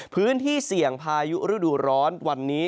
พื้นที่เสี่ยงพายุฤดูร้อนวันนี้